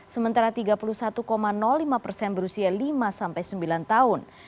sementara tiga puluh satu lima persen berusia lima sampai sembilan tahun